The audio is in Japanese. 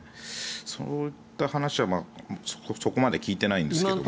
そういった話はそこまで聞いてないんですけど。